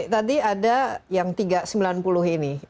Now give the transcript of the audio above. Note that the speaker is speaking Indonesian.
tadi ada yang tiga ratus sembilan puluh ini